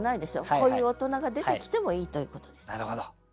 こういう大人が出てきてもいいということです。